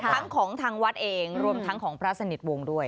ทั้งของทางวัดเองรวมทั้งของพระสนิทวงศ์ด้วย